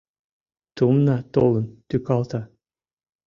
Тумна толын тӱкалта